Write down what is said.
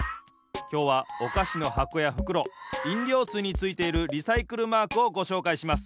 きょうはおかしのはこやふくろいんりょうすいについているリサイクルマークをごしょうかいします。